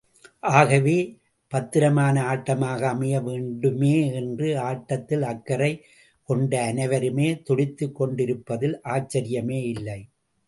ஆகவே, பத்திரமான ஆட்டமாக அமைய வேண்டுமே என்று ஆட்டத்தில் அக்கறை கொண்ட அனைவருமே துடித்துக் கொண்டிருப்பதில் ஆச்சரியமே இல்லை.